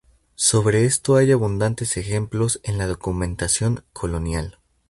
Sobre esto hay abundantes ejemplos en la documentación colonial.